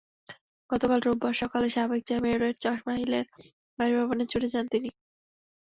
গতকাল রোববার সকালে সাবেক মেয়রের চশমা হিলের বাসভবনে ছুটে যান তিনি।